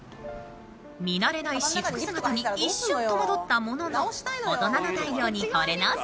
見慣れない私服姿に一瞬戸惑ったものの大人の対応に惚れ直す